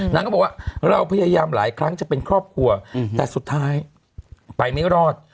นางก็บอกว่าเราพยายามหลายครั้งจะเป็นครอบครัวแต่สุดท้ายไปไม่รอด